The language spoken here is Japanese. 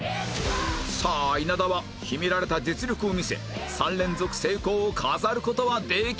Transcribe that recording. さあ稲田は秘められた実力を見せ３連続成功を飾る事はできるのか？